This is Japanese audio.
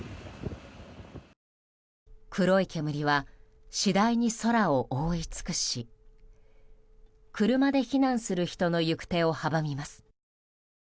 黒い煙は次第に空を覆い尽くし車で避難する人の行く手を阻みます。